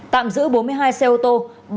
tạm giữ bốn mươi hai xe ô tô